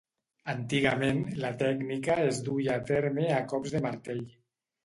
Antigament la tècnica es duia a terme a cops de martell.